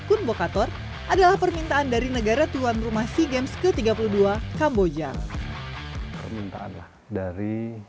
kun bokator adalah permintaan dari negara tuan rumah sea games ke tiga puluh dua kamboja permintaan dari